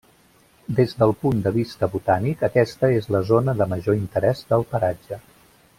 Des del punt de vista botànic aquesta és la zona de major interès del paratge.